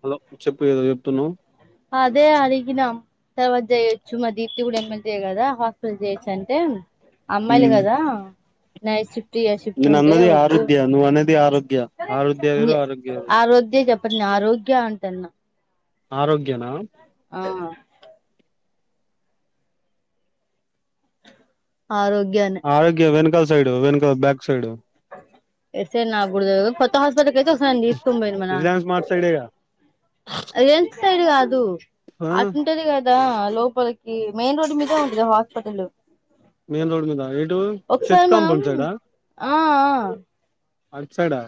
Hello చెప్పు ఏదో చెప్తున్నావ్ అదే అడిగినా తర్వాత చేయొచ్చు మా దీప్తి కూడా ఎమ్మెల్సే కదా హాస్పిటల్ చేయొచ్చు అంటే అమ్మాయిలు కదా నైట్ షిఫ్ట్ నైట్ షిఫ్ట్ నేను ఉంటే అన్నది వద్దు ఆరుద్య నువ్వు అనేది ఆరోగ్య ఆరుద్య వేరు ఆరోగ్య వేరు ఆరోజే చెప్పానా ఆరోగ్య అంట అన్న. ఆరోగ్యనా ఆ ఆరోగ్యానే ఆరోగ్య వెనకాల సైడ్ వెనుక బ్యాక్ సైడ్ [unintelligible] తెలియదు కొత్త హాస్పిటల్ కి అయితే ఒకసారి నన్ను తీసుకొని పోయిండు మా నాన్న రిలయన్స్ మార్ట్ సైడేగా అదేం సైడ్ కాదు ఆ ఆటుంటది కదా లోపలికి మెయిన్ రోడ్డు మీదే ఉంది గా హాస్పటలు మెయిన్ రోడ్ మీద ఎటూ చర్చ్ ఒకసారి మనం కాంపౌండ్ సైడా ఆ ఆ అటు సైడా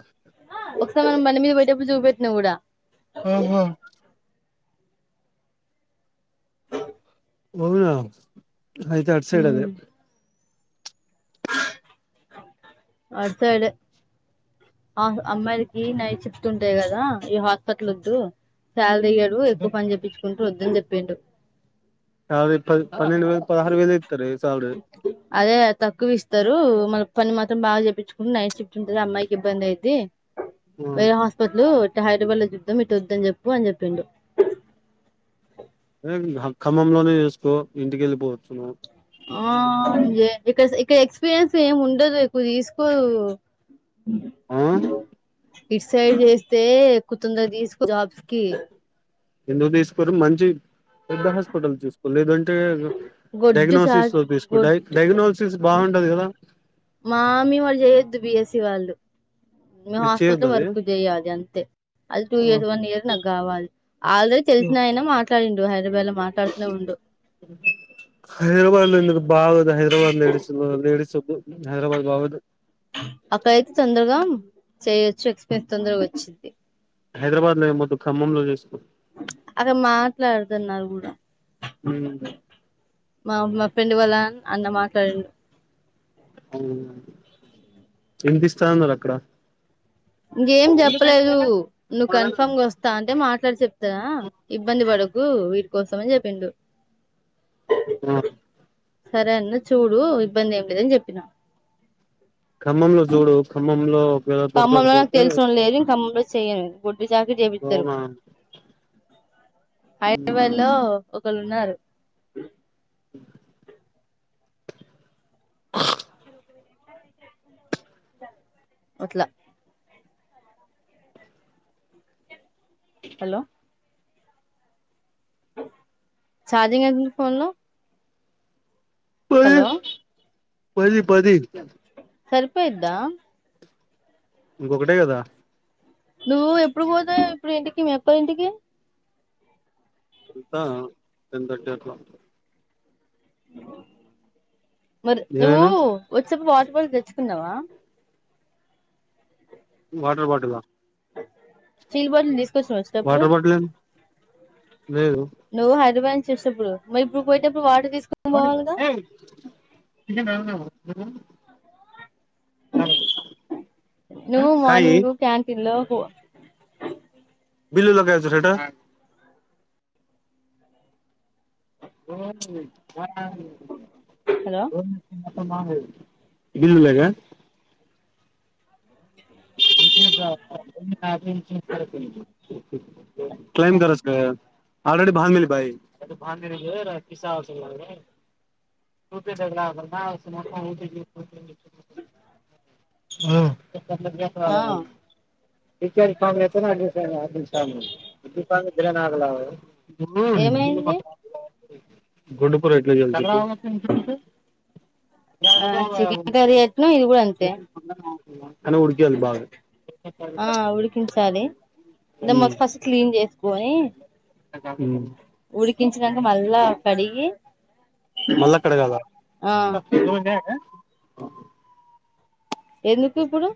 ఒకసారి నేను బండి మీద పోయేటప్పుడు చూపెట్టిన కూడా ఆహా అవునా అయితే అటు సైడ్ అదే ఉమ్ అటు సైడే ఆ అమ్మాయిలకి నైట్ షిఫ్ట్స్ ఉంటాయి కదా ఈ హాస్పిటల్ వద్దు. శాల ఇయ్యడు ఎక్కువ పని చెప్పించుకుంటు వద్దని చెప్పిండు. యాభై పది పన్నెండు వేలు పదహారు వేలు ఇత్తరే సాలరీ అదే త తక్కువ ఇస్తరు మళ్ళ పని మాత్రం బాగా చేపించుకుని నైట్ షిఫ్ట్ ఉంటది అమ్మాయికి ఇబ్బంది అయిద్ది. వేరే హాస్పటలు ఇట్ట హైదరాబాద్ లో చూద్దాం ఇటు వద్దని చెప్పు అని చెప్పిండు ఏ ఖమ్మంలోనే చేసుకో ఇంటికి వెళ్ళిపోవచ్చు నువ్వు ఆ ఏ ఇక్ ఇక్కడ ఎక్స్పీరియన్స్ ఏమి ఉండదు ఎక్కువ తీసుకోదు ఆ డిసైడ్ చేస్తే ఎక్కు తొందర తీసుకో జాబ్స్ కి ఎందుకు తీసుకోరు మంచి పెద్ద హాస్పిటల్ చూస్ లేదంటే గొడ్డు డయాగ్నోసిస్ చాకి లో తీసుకో డ గొడ్డు డయాగ్నోసిస్ బాగుంటది కదా మామ్మీ వాళ్ళు చేయొద్దు బిఎస్సి వాళ్ళు మేము మీరు చేయొద్దు హాస్పిటల్ అది వర్క్ చేయ్యాలి అంతే అది టూ ఇయర్ వన్ ఇయర్ నాకు కావాలి ఆల్రెడీ తెలిసిన అయినా మాట్లాడిండు హైదరాబాద్ లో మాట్లాడుతూ ఉండు బాగు హైదరాబాద్ లేడీస్ లేడస్ ఉద్ హైదరాబాద్ బాగోదు అక్కడైతే తొందరగా చేయొచ్చు ఎక్స్పీరియన్స్ తొందరగా వచ్చింది హైదరాబాద్ లో ఏమద్దు ఖమ్మంలో చేసుకు అక్కడ మాట్లాడుతున్నారు కూడా మా మా ఫ్రెండ్ వాళ్ళ అన్న మాట్లాడిండు ఎంత ఇస్తాన్నారు అక్కడ ఇంకేం చెప్పలేదు నువ్వు కన్ఫామ్గా వస్తా అంటే మాట్ సరె చెప్ తగ ఇబ్బంది బడకు వీటి కోసమని చెప్పిండు ఆ సరే అన్న చూడు ఇబ్బంది ఏం లేదని చెప్పినా ఖమ్మంలో చూడు ఖమ్మంలో ఒకవేళ ఖమ్మంలో నాకు దొరకకపోతే తెలుసినోళ్లు లేరు నేను ఖమ్మంలో చేయను గొడ్డు చాకిరి చేపిస్తరు అవునా హైదరాబాద్ లో ఒకళు ఉన్నారు అట్లా హలో చార్జింగ్ అయిపోయింది ఫోన్ లో హలో పది పది పది స్వల్ప ఇద్దా ఇంకొకటే కదా నువ్వు ఎప్పుడు పోతావు ఇప్పుడు ఇంటికి మీ అక్కోల్ల ఇంటికి ఎల్తా టెన్ తర్టీ అట్లా ఆ [inaudible] మరి నువ్వు ఏమైనా వచెటపుడు [inaudible] తెచ్చుకున్నావా వాటర్ బాటిల్ చిల్బ [inaudible] [inaudible] ఒక సస్ పడు వాటర్ బాటిల్ లేదు నువ్వు హైదరాబాద్ ేప్పుడు మరి ఇప్పుడు పోయేటప్పుడు వాడు ఏయి [inaudible] నువ్ మార్నింగ్ క్యాంటీన్లొ పో [inaudible] బలు లేగాేచ్చు సట [inaudible] [inaudible] బోర్డ్ చేసినవా హలో [inaudible] మా [inaudible] [inaudible] ఇిందలగా వి [inaudible] క్లై ఆె భా భ భ పిసాస [unintelligible] కసవాలా ఆ [unintelligible] [inaudible] [inaudible] ఏమైంది గొడ్డు కూర ఎట్లా చేయాలి ఆ చికెన్ కర్రీ ఎట్నో ఇది కూడా చెప్పు [inaudible] అంతే ఇంగ ఆ ఉడికించాలి ద మొస్ పస్ క్లీన్ చేస్ కోయి నాక ఆకలి ఉడికించినాక మళ్ళా కడిగి మల్ల కడగాల్ల ఆ ఎందుకు ఇప్పుడు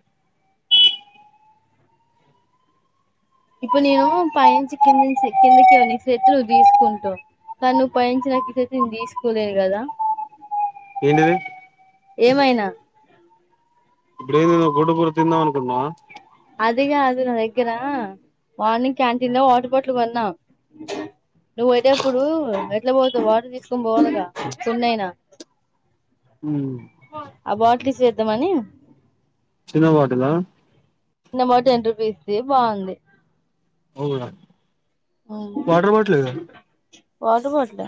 ఇప్పుడు నేను పైంచి కిందుంచి కిందకి ఇవ నీ చేతులు దీసుకుంటు కానువ్వు పైంచి నాకు చేతిను తీసుకోలేదు కదా ఏంటిది ఏమైనా ఇప్పుడేదైనా గొడ్డు కూర తిందాం అనుకుంటున్నావా అదిగాదు నా దగ్గర మార్నింగ్ క్యాంటీన్ లో వాటర్ బాటిల్ కొన్నా నువ్వు అయితే అప్పుడు ఎట్లా పోతవు వాటర్ తీసుకొని పోవాలిగా సున్న అయినా అ బట్లిస్ [inaudible] దమని చిన్న బాటిలా [inaudible] టెన్ రూపీస్ ది బాగుంది అవునా మ్మ్ వాటర్ బాటి దా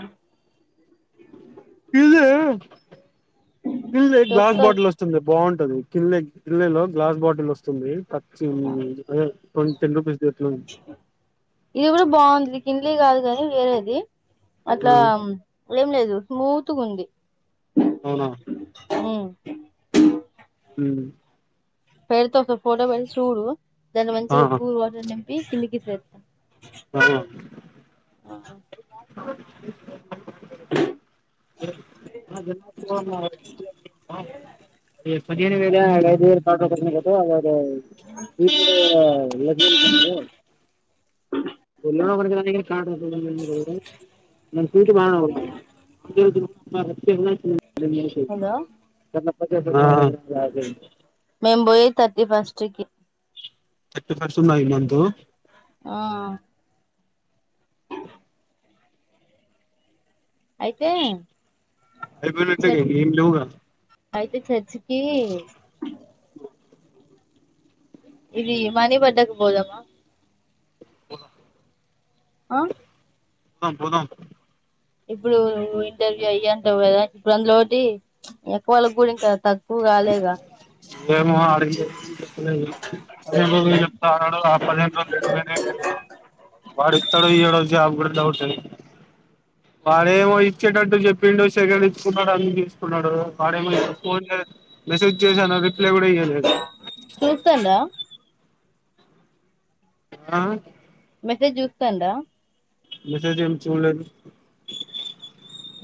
ఇదా ఇల్ ఇటు గ్లాస్ వస్తా బాటిల్ వస్తుంది బావుం టది కిల్లెక్ కిల్లెలో గ్లాస్ బాటిల్ వస్తుంది పచ్చిన్ రొయ్యల్ కొన్ టెన్ రూపీస్ ఎట్లా ఇది కూడా బావుంది కింలీ కాదు కాని వేరేది అట్లా ఆ ఏం లేదు స్మూత్గుంది అవునా మ్మ్ పేరుతో ఒక ఫోటో పెట్ చూడు దాని మంచిగా కూల్ వాటర్ నింపి కిందికి రేప్త ఆ పదిహేను వేల [unintelligible] [unintelligible] [unintelligible] [unintelligible] [unintelligible] [inaudible] హలో [unintelligible] మేము పోయేది తర్టీ ఫస్ట్కి థర్టీ ఫస్ట్ ఉందా ఈ మంత్ తు ఆ అయితే అయిపోయినట్టే చ ఇంక ఏం లేవుగా అయితే చర్చ్ కి ఇది మనీ బడ్డాక పోదామ ఆ ఆ పోదాం ఇప్పుడు ఇంటర్వ్యూ అయ్యి అంటవు కదా ఇప్పుడు అందులో ఒకటి ప్చ్ ఎక్కువ వాళ్ళకు కూడా ఇంకా తగ్ నుగాలేగా ఏమో అడిగితే పదిహేను రోజులు చెప్తాన్నాడు ఆ పదిహేను రోజులు ఎల్లిపోయినయి వాడు ఇస్తాడో ఇయ్యడో జాబ్ కూడా డౌటే వాడేమో ఇచ్చేటట్టు చెప్పిండు సెకండ్ ఇచ్చుకున్నాడు అన్ని చూసుకున్నాడు. వాడేమో ఇప్పుడు ఫోన్ చే మెసేజ్ చేశాను రిప్లై కూడా ఇయ్యలేదు చూస్తాండా ఆ మెసేజ్ చూస్తాండా మెసేజ్ ఏం చూళ్ళేదు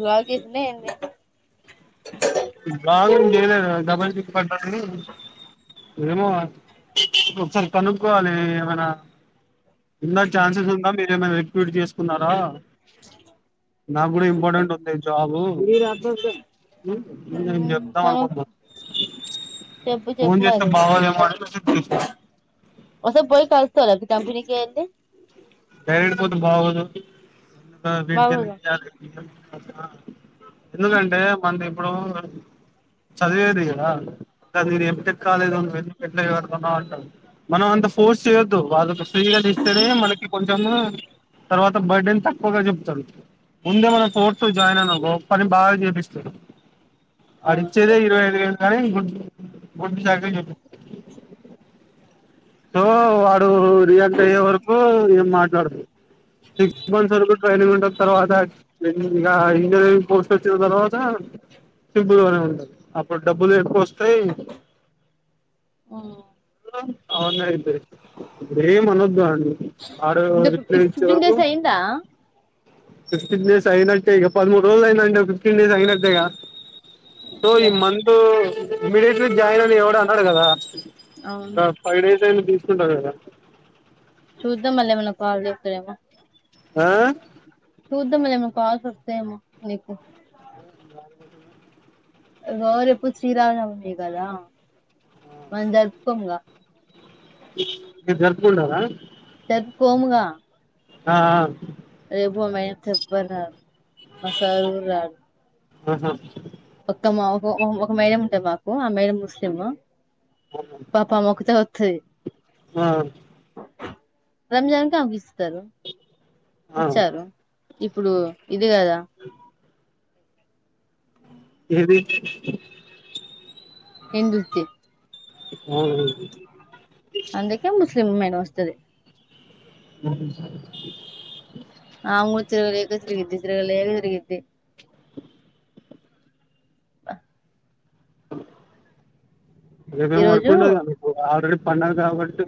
వాగిదే ఏంది జాబ్ ఏ చేయలేదు డబ్బల్ టిక్ ఏమో ఒకసారి కనుక్కోవాలి ఏమైనా ఉంద ఛాన్సెస్ ఉందా మీర ఏమై ఎక్విటీ చేసుకున్నారా నాకు కూడా ఇంపార్టెంట్ ఉంది జాబ్ తను చెప్తామనుకుంటున్నాం చెప్పు చెప్పు మరి బాగోదేమో అని మెసేజ్ చేసినా ఒసారి పోయి కలుసుకో కంపెనీ [unintelligible] డైరెక్ట్ పోతే బాగోదు [unintelligible] బాగోదా ఎందుకంటే మన ఇప్పుడు చదివేది కదా ఎంటెక్ కాలేజ్ పెట్టలేదు కదా మనం అంత ఫోర్స్ చేయొద్దు వాళ్ళకి [unintelligible] మనకి [unintelligible] తర్వాత బర్డెన్ తక్కువగా చెప్తారు ముందే మనం ఫోర్స్ లో జాయిన్ అయిన మనుకో పని బాగా చేపిస్తారు అవును సార్ ఆడిచ్చేదేఇరవై ఐదు వేలు కానీ గొడ్డు చాకిరి చేపిస్తారు సో. వాడు రియాల్ట్ అయ్యే వరకు ఏం మాట్లాడదు సిక్స్ మంత్స్ వరకు ట్రైనింగ్ ఉంటది తర్వాత ఇక ఇంజనీరింగ్ పోస్ట్ వచ్చిన తర్వాత సింపుల్గానే ఉంటంది అప్పుడు డబ్బులు ఎక్కువ వస్తాయి ఆం ఆ అవునుయితే ఏం అనద్దు ఆన్ అంటే ఇప్పు ఫింగర్స్ అయ్యందా అ ఫిఫ్టీన్ డేస్ అయినట్లే ఇగ పదమూడు రోజులు అయి అంటే ఫిఫ్టీన్ డేస్ అయిన నట్టే గా సో ఈ లే మంత్ ఇమీడియేట్లీ జాయిన్ అని ఎవడు అనడు కదా అవును న్ని డేస్ అయినా తీసుకుంటారు కదా చూద్దాం మళ్ళీ ఏమన్నా కాల్ చేస్తాడేమో ఆ ద్దాం ఏమన్నా కాల్స్ వస్తాయేమో నీకు ఇగో రేపు శ్రీరామనవమి కదా మన్ జరుపుకొం గా మీరు జరపుకుంటారా కోముగా ఆ ఆ రేపు ఒమాయ తత్ బనాల్ మా సారు కూడా రాడ్ ఆహా ఒక్క మా హొ ఒక మేడ ఉంటది మాకు ఆ మేడం ముస్లిం పాపం అమె. ఒక్కతే థె యి ఆ రంజాన్ కి అవి ఇస్తారు ఆ ఇచ్చారు ఇప్పుడు ఇది కదా ఏది ఎందుతీ అవును అందు కే ముస్లిం మెన్ నమస్తది అ సరే ఆ ఊ తిరగలేక తిరిగింది తిరగలేక తిరిగింది ఈ రేపేం వర్క్ రోజు ఉండదు కద ఆల్రెడీ పండగ కాబట్టి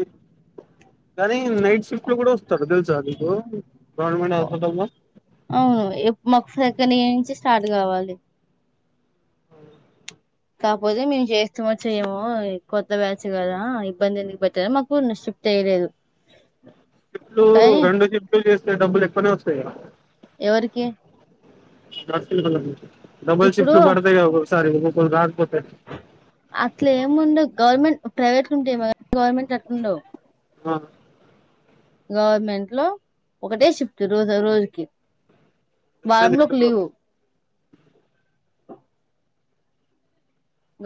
కానీ నైట్ షిఫ్ట్ లో కూడా వస్తాడు. తెలుసా మీకు గవర్నమెంట్ హాస్పిటల్ల స్ట ర్ట్ కావాలి అవును కాకపోతే మేము చేస్తామో చేయ్యమో కొత్త బ్యాచ్ కదా ఇబ్బంది ఎందుకు పెట్టాడం. మాకు షి ఫ్ట్ ఏయలేదు. షిఫ్ట్లు రెండు షిఫ్ట్లు చేస్ డబ్బులు ఎక్కువనే వస్తాయి గాదా ఎవరికి [unintelligible] డబల్ షిఫ్ట్ పడుతాయి ఒక్ [unintelligible] అట్లే ఏముండ గవర్నమెంట్ ప్రైవేట్ ఉంటాయి మ గవర్నమెంట్ల అట్లుండవు ఆ గవర్నమెంట్ లో ఒకటే షిఫ్ట్ రోజు రోజుకి అందుకనే వారానికి లేట్ ఒక బ్రో లివు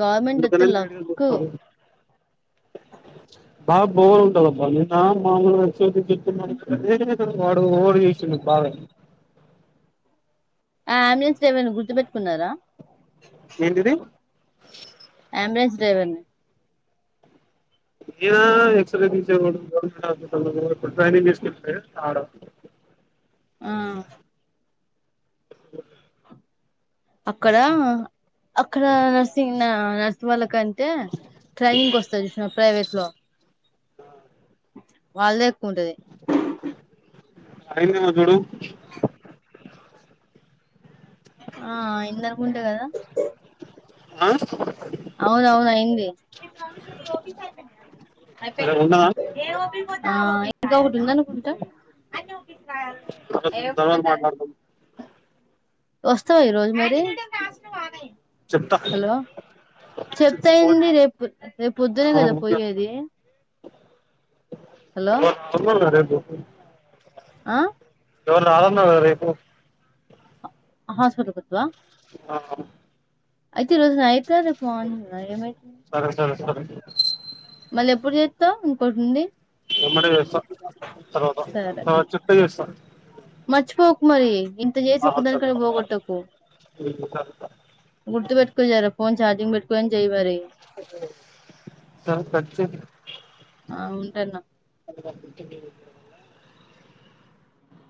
గవర్నమెంట్ అయితే లక్ బా బోర్ ఉంటదబ్బా నిన్న మామూలు [unintelligible] వాడు ఓడు చేసిండు బావే ఆ అంబులెన్స్ డ్రైవర్ని గుర్తుపెట్టుకున్నారా ఏంటిది అంబు లెన్స్ డ్రైవర్ని ఏ ఎక్స్రే తీసే వోడు గవర్నమెంట్ హాస్పిటల్లా స్కానింగ్ తీసుకుంటే ఆడ ఆ [inaudible] అక్కడ అక్కడ నర్సింగ్ నా నర్స్ వాళ్ళకంటే ట్రైనింగ్ వస్తది. చూసినవ ప్రైవేట్ లో వాళ్ళే కూంటది అయిన్నవా చుడు ఆ ఇందనుకుంటే గాదా ఆ అవునవును అయింది సరే ఉండనా ఆ ఉంద ఒకటి ఉందనుకుంటా తర్వాత మాట్లాడదాం వస్తాయి రోజు మరీ చెప్తా హలో ఫోన్ చెప్తయింది. రేపు రేపు పొద్దునే కదా ఓకే పోయేది హలో [inaudible] ఆ ఎవరు రారాన్నావ్ కదా రేపు ఆ హాస్టల్ కత్వా ఆ అయితే రోజు నై రేపు మార్నింగ్ రా ఏమై సరే సరే సరే మల్ల ఎప్పుడు చే ఇంకోటి ఉంది ఎమ్మడి వ్యసా తర్వాత సరే తర్వాత చెప్పే చేస్తా మర్చిపోకు మరి ఇంత చేసి ఆ సరే ఒకదానిక పోగొట్టకు సరే గుర్తు పెట్టుకుొచ్చారా ఫోన్ చార్జంగ్ పెట్టుకొని చేమరి స కచ ఆ ఉంటాన్న [unintelligible]